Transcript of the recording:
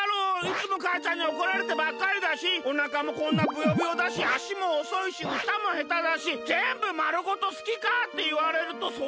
いつもかあちゃんにおこられてばっかりだしおなかもこんなブヨブヨだしあしもおそいしうたもへただしぜんぶまるごと好きかっていわれるとそうでもないかも。